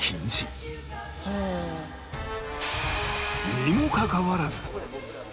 にもかかわらず